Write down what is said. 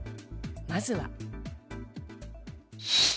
まずは。